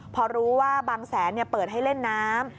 พอรู้ว่าบางแสนเปิดให้เล่นน้ำ